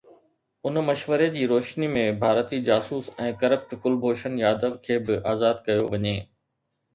ان مشوري جي روشني ۾ ڀارتي جاسوس ۽ ڪرپٽ ڪلڀوشن ياديو کي به آزاد ڪيو وڃي.